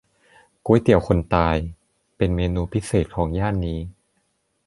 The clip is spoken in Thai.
ก๋วยเตี๋ยวคนตาย เป็นเมนูพิเศษของย่านนี้